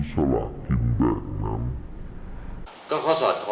เพราะว่าหลังจากนะครูรับสลักมาแล้วก็